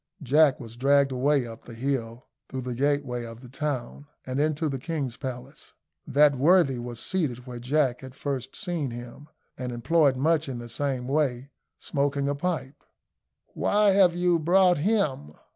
Jack was dragged away up the hill, through the gateway of the town, and into the king's palace. That worthy was seated where Jack had first seen him, and employed much in the same way smoking a pipe. "Why have you brought him?"